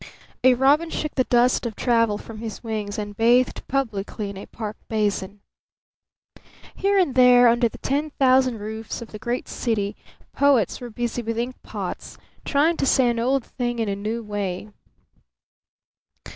A robin shook the dust of travel from his wings and bathed publicly in a park basin. Here and there under the ten thousand roofs of the great city poets were busy with inkpots, trying to say an old thing in a new way.